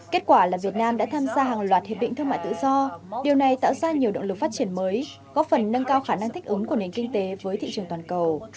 kết quả là việt nam đã tham gia hàng loạt hiệp định thương mại tự do điều này tạo ra nhiều động lực phát triển mới góp phần nâng cao khả năng thích ứng của nền kinh tế với thị trường toàn cầu